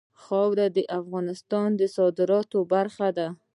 خاوره د افغانستان د صادراتو برخه ده.